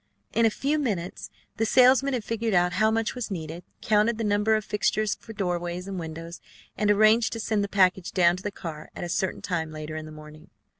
In a few minutes the salesman had figured out how much was needed, counted the number of fixtures for doorways and windows, and arranged to send the package down to the car at a certain time later in the morning.